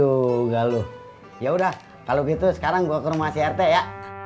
ugaluh ya udah kalau gitu sekarang gua ke rumah crt ya